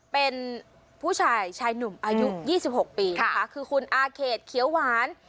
เป็นผู้ชายชายหนุ่มอายุ๒๖ปีนะคะคือคุณอาเขตเขียวหวาน